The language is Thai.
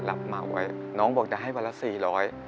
รับเหมาไว้น้องบอกจะให้วันละสี่ร้อย